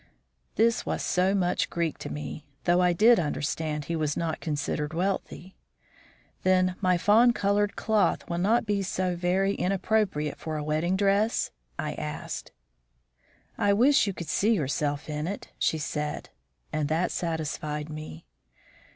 This was so much Greek to me, though I did understand he was not considered wealthy. "Then my fawn colored cloth will not be so very inappropriate for a wedding dress?" I asked. "I wish you could see yourself in it," she said, and that satisfied me.